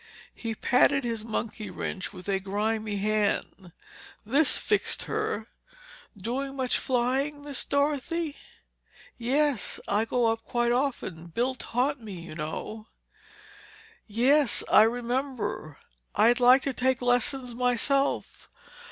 He patted his monkey wrench with a grimy hand. "This fixed her. Doing much flying, Miss Dorothy?" "Yes, I go up quite often. Bill taught me, you know." "Yes, I remember. I'd like to take lessons, myself.